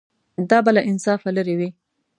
دا به له انصافه لرې وي.